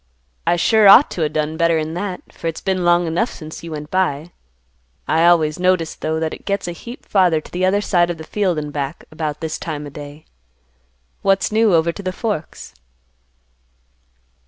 "I sure ought to o' done better'n that, for it's been long enough since you went by. I always notice, though, that it gets a heap farther to the other side of the field and back about this time o' day. What's new over to the Forks?"